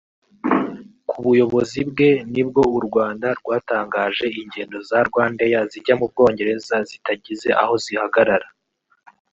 Ku buyobozi bwe ni bwo u Rwanda rwatangije ingendo za Rwandair zijya mu Bwongereza zitagize aho zihagarara